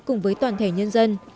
cùng với toàn thể nhân dân